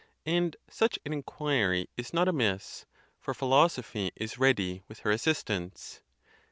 And such an inquiry is not amiss, for philosophy is ready with her as sistance.